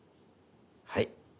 はい。